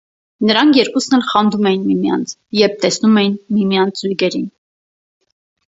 Նրանք երկուսն էլ խանդում էին միմյանց, երբ տեսնում էին միմյանց զզույգերին։